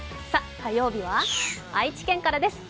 火曜日は愛知県からです。